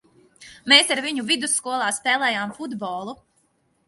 Mēs ar viņu vidusskolā spēlējām futbolu.